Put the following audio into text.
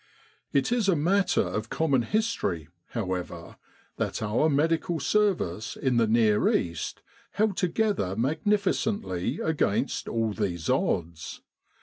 It is a matter of common history, however, that our Medical Service in the Near East held together magnificently against all these odds.